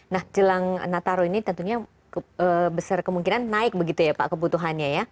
nah jelang nataro ini tentunya besar kemungkinan naik begitu ya pak kebutuhannya ya